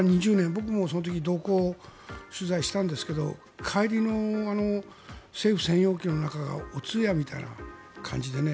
僕もその時同行取材したんですけど帰りの政府専用機の中がお通夜みたいな感じでね。